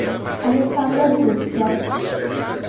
Alessandra di Russia